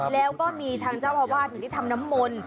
แล้วก็มีทางเจ้าอาวาสถึงได้ทำน้ำมนต์